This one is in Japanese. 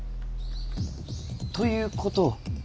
ということは？